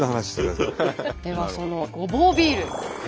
ではそのごぼうビール。